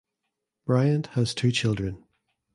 Bryant has two children.